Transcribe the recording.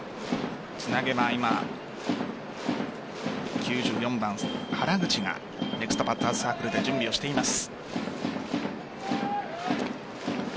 つなげば、今９４番・原口がネクストバッターズサークルで準備をしています。